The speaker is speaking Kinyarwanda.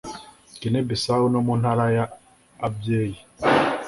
Guinea Bissau no mu Ntara ya Abyei